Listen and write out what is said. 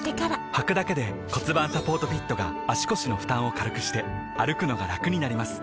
はくだけで骨盤サポートフィットが腰の負担を軽くして歩くのがラクになります